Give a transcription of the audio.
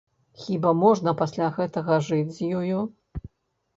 Хіба можна пасля гэтага жыць з ёю?